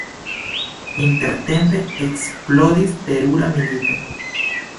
Intertempe eksplodis terura milito.